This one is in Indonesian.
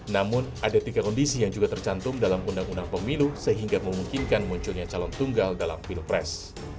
namun ada tiga kondisi yang juga tercantum dalam undang undang pemilu sehingga memungkinkan munculnya calon tunggal dalam pilpres